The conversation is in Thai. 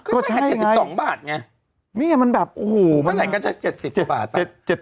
ก็ใช่ไง๗๒บาทไงขนาดไหนก็จะ๗๐บาท